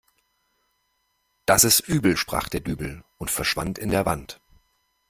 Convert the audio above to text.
Das ist übel sprach der Dübel und verschwand in der Wand.